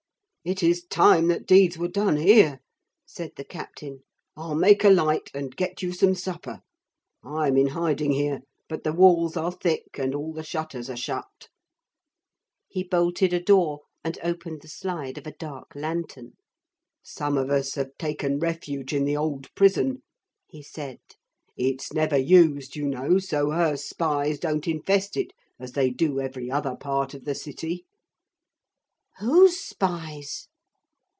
'It is time that deeds were done here,' said the captain. 'I'll make a light and get you some supper. I'm in hiding here; but the walls are thick and all the shutters are shut.' He bolted a door and opened the slide of a dark lantern. 'Some of us have taken refuge in the old prison,' he said; 'it's never used, you know, so her spies don't infest it as they do every other part of the city.' 'Whose spies?'